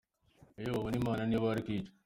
Iyo babona Imana niyo bari kwica